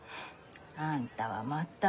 あんたはまた。